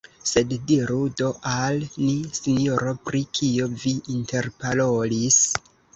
Sed diru do al ni, sinjoro, pri kio vi interparolis?